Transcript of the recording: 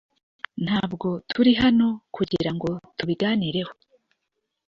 ntabwo turi hano kugirango tubiganireho